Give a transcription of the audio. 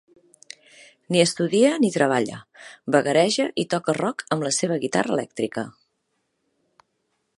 Ni estudia ni treballa; vagareja i toca rock amb la seva guitarra elèctrica.